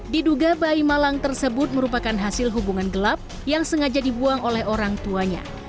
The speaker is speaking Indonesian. diduga bayi malang tersebut merupakan hasil hubungan gelap yang sengaja dibuang oleh orang tuanya